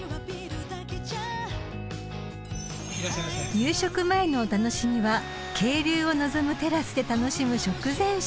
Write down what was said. ［夕食前のお楽しみは渓流を望むテラスで楽しむ食前酒］